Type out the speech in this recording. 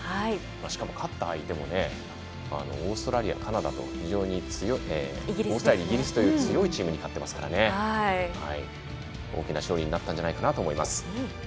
しかも勝った相手もオーストラリア、イギリスと非常に強いチームに勝っていますから大きな勝利になったんじゃないかなと思います。